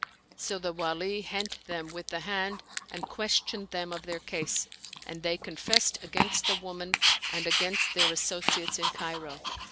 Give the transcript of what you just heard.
So the Wali hent them with the hand and ques tioned them of their case, and they confessed against the woman and against their associates in Cairo.